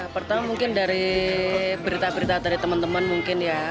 pertama mungkin dari berita berita dari teman teman mungkin ya